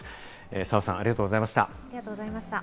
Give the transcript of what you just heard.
澤さん、ありがとうございました。